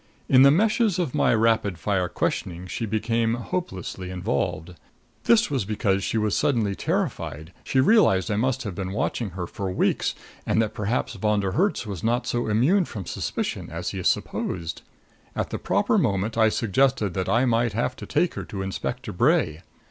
In the meshes of my rapid fire questioning she became hopelessly involved. This was because she was suddenly terrified she realized I must have been watching her for weeks, and that perhaps Von der Herts was not so immune from suspicion as he supposed. At the proper moment I suggested that I might have to take her to Inspector Bray.